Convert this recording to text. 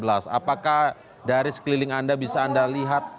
apakah dari sekeliling anda bisa anda lihat